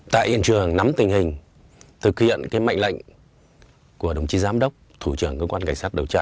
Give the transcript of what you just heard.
tại hiện trường nắm tình hình thực hiện cái mệnh lệnh của đồng chí giám đốc thủ trưởng cơ quan cảnh sát đầu chí